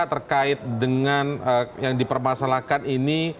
terkait dengan yang dipermasalahkan ini